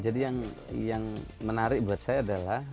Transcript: jadi yang menarik buat saya adalah